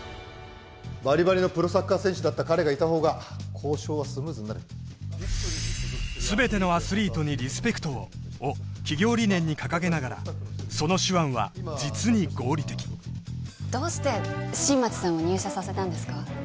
バリバリのプロサッカー選手だった彼がいた方が交渉はスムーズになるを企業理念に掲げながらその手腕は実に合理的どうして新町さんを入社させたんですか？